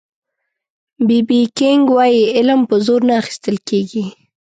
بي بي کېنګ وایي علم په زور نه اخيستل کېږي